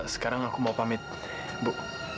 sekarang aku mau pamit bu